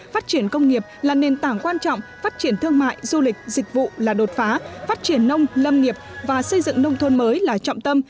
phát triển công nghiệp là nền tảng quan trọng phát triển thương mại du lịch dịch vụ là đột phá phát triển nông lâm nghiệp và xây dựng nông thôn mới là trọng tâm